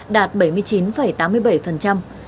đối tượng trợ giúp xã hội đạt bảy mươi chín tám mươi bảy